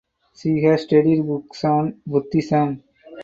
She has studied books on Buddhism.